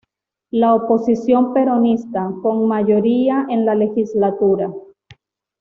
La oposición peronista, con mayoría en la Legislatura.